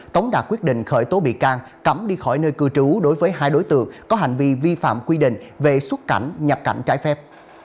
tống đạt quyết định khởi tố bị can cấm đi khỏi nơi cư trú đối với hai đối tượng có hành vi vi phạm quy định về xuất cảnh nhập cảnh trái phép